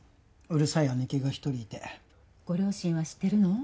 うるさい姉貴が１人いてご両親は知ってるの？